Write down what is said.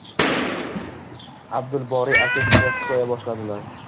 Abdulboriy aka shunday xikoya boshladilar: